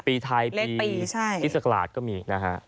ปีไทยเลขปีอิสกราชก็มีนะฮะ